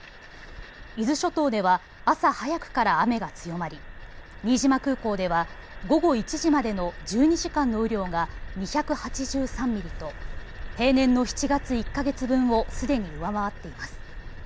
伊豆諸島では朝早くから雨が強まり新島空港では午後１時までの１２時間の雨量が２８３ミリと平年の７月１か月分をすでに上回っています。